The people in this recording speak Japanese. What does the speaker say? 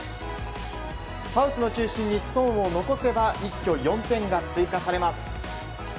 ハウスの中心にストーンを残せば一挙４点が追加されます。